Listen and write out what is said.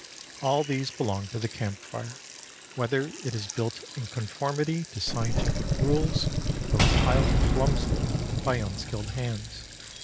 All these belong to the camp fire, whether it is built in conformity to scientific rules or piled clumsily by unskilled hands.